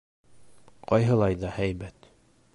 Ҡайһылай ҙа һәйбәт.